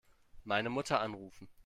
Meine Mutter anrufen.